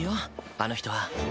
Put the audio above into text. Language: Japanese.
あの人は。